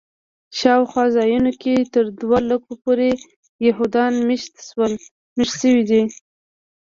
شاوخوا ځایونو کې تر دوه لکو پورې یهودان میشت شوي دي.